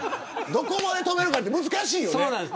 どこまで止めるか難しいよね。